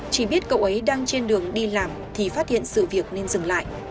chỉ biết cậu ấy đang trên đường đi làm thì phát hiện sự việc nên dừng lại